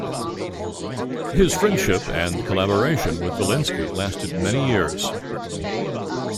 His friendship and collaboration with Vilinsky lasted many years.